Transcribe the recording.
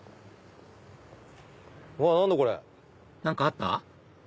何かあった？